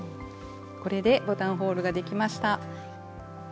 これでボタンホールができました。